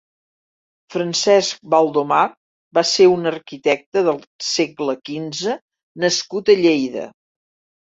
Francesc Baldomar va ser un arquitecte del segle quinze nascut a Lleida.